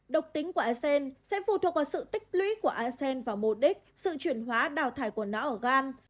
độc tính của a sen sẽ phù thuộc vào sự tích lũy của a sen và mô đích sự chuyển hóa đào thải của nó ở gan